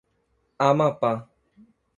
Amapá